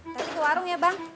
nanti ke warung ya bang